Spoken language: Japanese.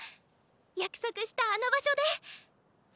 約束したあの場所で！